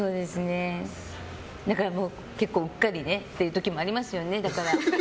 だから結構うっかりっていう時もありますよね。